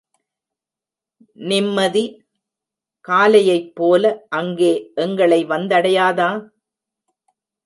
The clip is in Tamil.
நிம்மதி, காலையைப்போல அங்கே எங்களை வந்தடையாதா?